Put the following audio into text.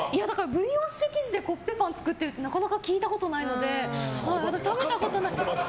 ブリオッシュ生地でコッペパン作ってるってなかなか聞いたことないので私、食べたことない。